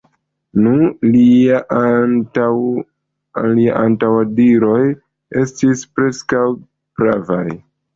Nu, liaj antaŭdiroj estis preskaŭ pravaj!